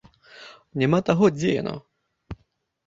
Няма таго, дзе яно?